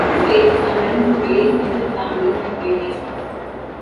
This page summarizes the various engine families and variations.